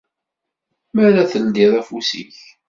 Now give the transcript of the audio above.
Mi ara teldiḍ afus-ik.